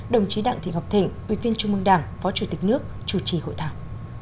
đồng chí đặng thị ngọc thịnh ủy viên trung mương đảng phó chủ tịch nước chủ trì hội thảo